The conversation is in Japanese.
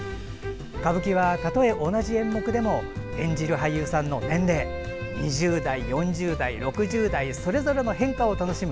歌舞伎は、たとえ同じ演目でも演じる俳優さんの年齢２０代、４０代、６０代それぞれの変化を楽しむ。